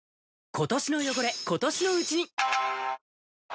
今年の汚れ、今年のうちに。